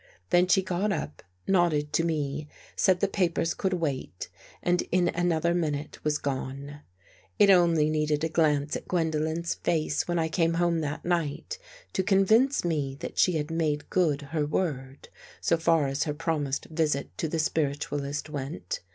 Then she got up, nodded to me, said the papers could wait and in another minute was gone. It only needed a glance at Gwendolen's face, when I came home that night, to convince me that she had made good her word, so far as her promised visit to the spiritualist went.